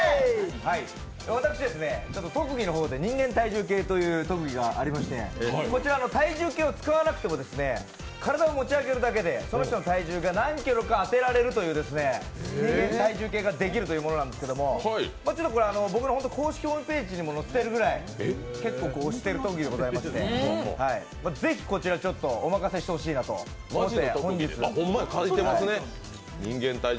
私、特技の方で人間体重計という特技がありまして、体重計を使わなくても体を持ち上げるだけでその人の体重が何キロか当てられるという人間体重計ができるというものなんですが僕の公式ホームページにも載っているぐらい結構、押してる特技でございましてぜひこちら、おまかせしてほしいなと思って。